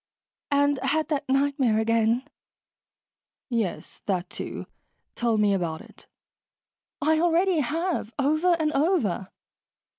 "And had that nightmare again." "Yes, that, too. Tell me about it." "I already have. Over and over."